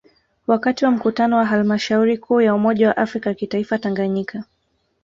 Wakati wa Mkutano wa Halmashauri Kuu ya umoja wa afrika kitaifa Tanganyika